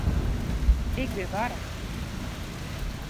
Ik bin warch.